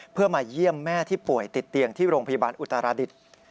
เพื่อมาเยี่ยมแม่ที่ป่วยติดเตียงที่โรงพยาบาลอุตราดิษฐ์